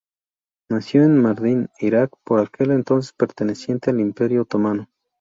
Nació en Mardin, Irak, por aquel entonces perteneciente al Imperio otomano.